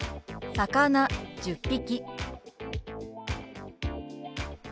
「魚１０匹」。